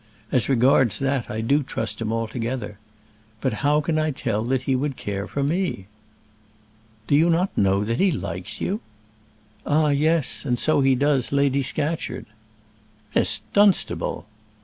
As regards that I do trust him altogether. But how can I tell that he would care for me?" "Do you not know that he likes you?" "Ah, yes; and so he does Lady Scatcherd." "Miss Dunstable!"